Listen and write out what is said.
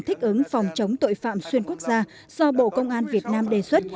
thích ứng phòng chống tội phạm xuyên quốc gia do bộ công an việt nam đề xuất